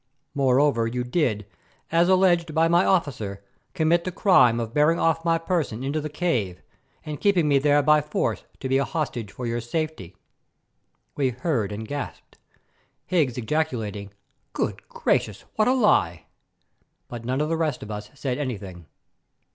Moreover, you did, as alleged by my officer, commit the crime of bearing off my person into the cave and keeping me there by force to be a hostage for your safety." We heard and gasped, Higgs ejaculating, "Good gracious, what a lie!" But none of the rest of us said anything.